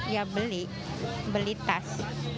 ya beli beli tas